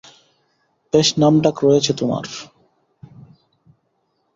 বেশ নামডাক রয়েছে তোমার।